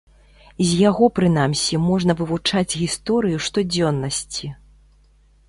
З яго прынамсі можна вывучаць гісторыю штодзённасці.